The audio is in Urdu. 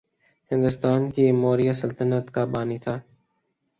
ہندوستان کی موریا سلطنت کا بانی تھا